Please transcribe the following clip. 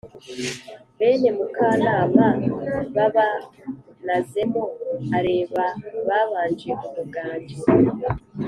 Bene Mukanama Babanazemo areba Babanje umuganji